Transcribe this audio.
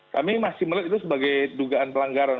kami masih melihat itu sebagai dugaan pelanggaran